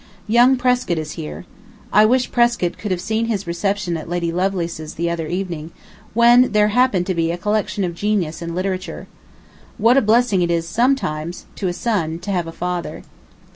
Young Prescott is here. I wish Prescott could have seen his reception at Lady Lovelace's the other evening when there happened to be a collection of genius and literature. What a blessing it is sometimes to a son to have a father.